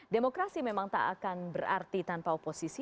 demokrasi memang tak akan berarti tanpa oposisi